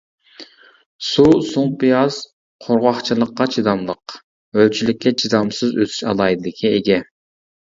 سۇ سۇڭپىياز قۇرغاقچىلىققا چىداملىق، ھۆلچىلىككە چىدامسىز ئۆسۈش ئالاھىدىلىكىگە ئىگە.